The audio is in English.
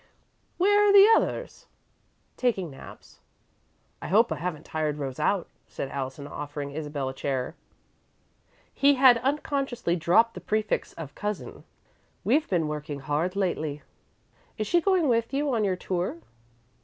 "Where are the others?" "Taking naps." "I hope I haven't tired Rose out," said Allison, offering Isabel a chair. He had unconsciously dropped the prefix of "Cousin." "We've been working hard lately." "Is she going with you on your tour?"